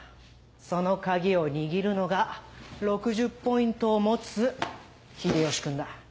そのカギを握るのが６０ポイントを持つ秀吉君だ。